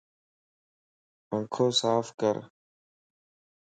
پنکو صاف ڪر